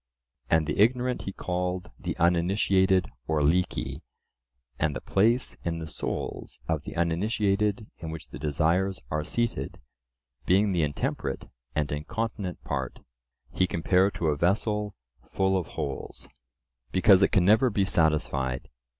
and the ignorant he called the uninitiated or leaky, and the place in the souls of the uninitiated in which the desires are seated, being the intemperate and incontinent part, he compared to a vessel full of holes, because it can never be satisfied.